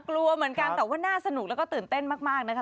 กลัวเหมือนกันแต่ว่าน่าสนุกแล้วก็ตื่นเต้นมากนะคะ